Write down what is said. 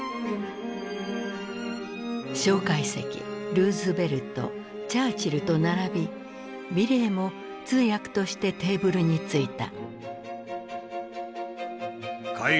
介石ルーズベルトチャーチルと並び美齢も通訳としてテーブルに着いた。